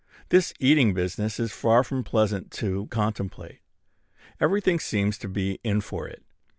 This eating business is far from pleasant to contemplate. Every thing seems to be in for it.